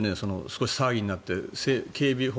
少し騒ぎになって。